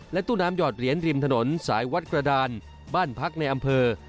ตู้น้ำหอดเหรียญริมถนนสายวัดกระดานบ้านพักในอำเภอ